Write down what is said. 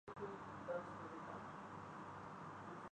آج مذہبی حلقوں میں حکومت کا کوئی ہم نوا باقی نہیں ہے